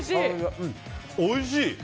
おいしい！